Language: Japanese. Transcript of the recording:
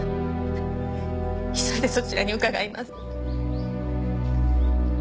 急いでそちらに伺います。